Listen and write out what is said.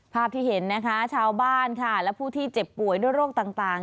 ภาพที่เห็นนะคะชาวบ้านค่ะและผู้ที่เจ็บป่วยด้วยโรคต่าง